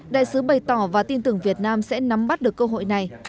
đại sứ bày tỏ và tin tưởng việt nam sẽ nắm bắt được cơ hội này